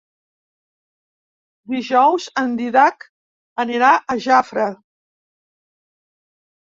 Dijous en Dídac anirà a Jafre.